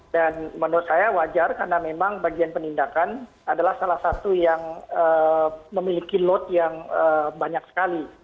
dan menurut saya wajar karena memang bagian penindakan adalah salah satu yang memiliki lot yang banyak sekali